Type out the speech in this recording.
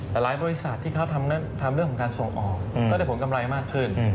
แต่หลายบริษัทที่เขาทำเรื่องของการส่งออกก็ได้ผลกำไรมากขึ้น